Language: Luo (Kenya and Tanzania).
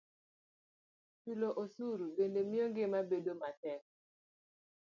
Chulo osuru bende miyo ngima bedo matek